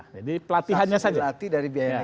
jadi pelatihannya saja